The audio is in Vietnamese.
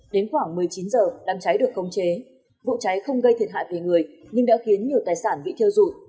đến khoảng một mươi chín h đám cháy được công chế vụ cháy không gây thiệt hại về người nhưng đã khiến nhiều tài sản bị thiêu dụng